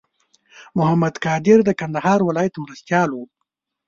محمد قادري د کندهار ولایت مرستیال و.